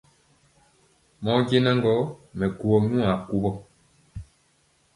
Mɔɔ njɛŋ jɔ gɔ, mɛ gwo nyɛ kuvɔ.